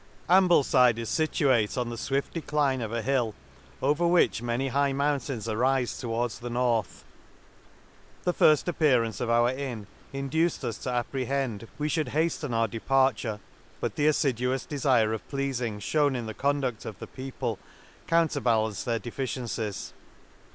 Ambleside is fituate on the fwift de cline of a hill, over which many high mountains arife towards the north. — The firft appearance of our inn induced us to apprehend we fhould haften our depar ture ; but the afliduous defire of pleafing fhewn in the conduct of the people coun terbalanced their deficiencies.